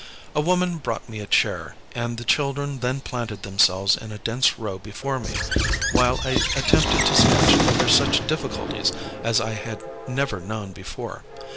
A woman brought me a chair, and the children then planted themselves in a dense row before me, while I attempted to sketch under such difficulties as I had never known before.